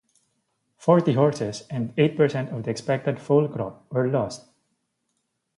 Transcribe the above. Forty horses and eight percent of the expected foal crop were lost.